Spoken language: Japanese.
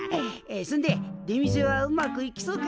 そんで出店はうまくいきそうか？